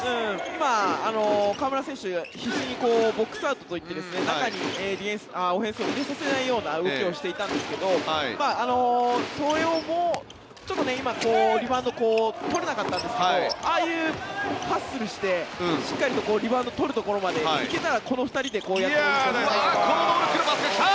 今、河村選手、必死にボックスアウトといって中にオフェンスを入れさせないような動きをしていたんですがそれも今、リバウンド取れなかったんですけどああいうハッスルしてしっかりとリバウンドを取るところまでいけたらこの２人でこうやって。